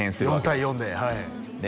４対４ではいで